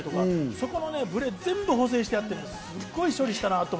そこのブレ全部を補正してあってすごい処理したなと思いました。